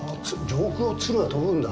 上空を鶴が飛ぶんだ。